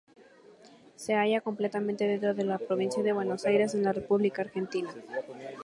Se halla completamente dentro de la Provincia de Buenos Aires en la República Argentina.